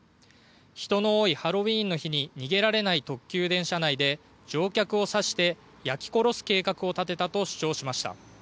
人の多いハロウィーンの日に逃げられない特急電車内で乗客を刺して焼き殺す計画を立てたと主張しました。